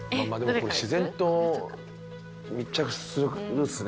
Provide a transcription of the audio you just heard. これ自然と密着するんですね